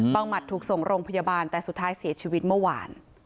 หมัดถูกส่งโรงพยาบาลแต่สุดท้ายเสียชีวิตเมื่อวาน